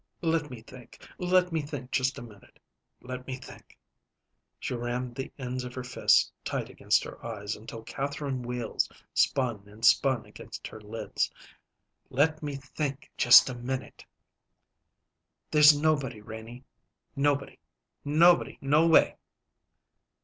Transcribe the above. "Let me think. Let me think just a minute. Let me think." She rammed the ends of her fists tight against her eyes until Catherine wheels spun and spun against her lids. "Let me think just a minute." "There's nobody, Renie nobody nobody no way."